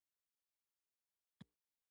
کره ليکدود هغه دی چې ټولو ته د منلو وړ وي